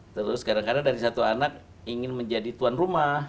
terus kadang kadang dari satu anak ingin menjadi tuan rumah